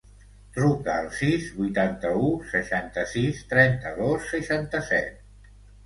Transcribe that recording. Truca al sis, vuitanta-u, seixanta-sis, trenta-dos, seixanta-set.